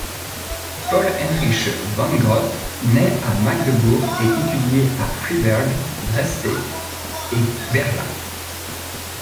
Paul Heinrich von Groth naît à Magdebourg et étudie à Freiberg, Dresde et Berlin.